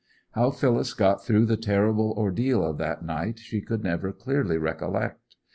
How Phyllis got through the terrible ordeal of that night she could never clearly recollect.